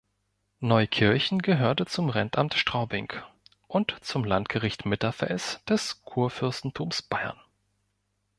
Neukirchen gehörte zum Rentamt Straubing und zum Landgericht Mitterfels des Kurfürstentums Bayern.